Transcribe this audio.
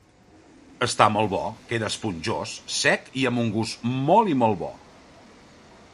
Està molt bo, queda esponjós, sec i amb un gust molt i molt bo.